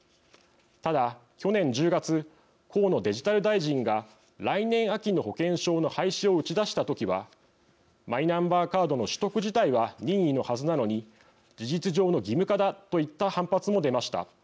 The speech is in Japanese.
ただ、去年１０月河野デジタル大臣が来年秋の保険証の廃止を打ち出した時はマイナンバーカードの取得自体は任意のはずなのに事実上の義務化だといった反発も出ました。